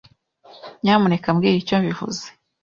Nyamuneka mbwira icyo bivuze.